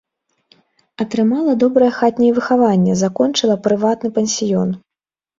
Атрымала добрае хатняе выхаванне, закончыла прыватны пансіён.